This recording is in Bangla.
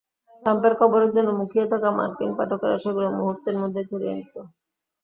ট্রাম্পের খবরের জন্য মুখিয়ে থাকা মার্কিন পাঠকেরা সেগুলো মুহূর্তের মধ্যেই ছড়িয়ে দিত।